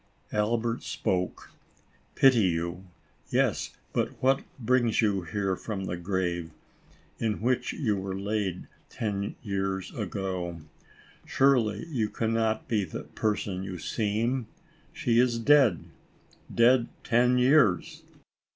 Albert spoke: "Pity you. Yes; but what brings you here from the grave, in which you were laid, ten years ago ? Surely you can not be the person you seem. She is dead : dead ten years."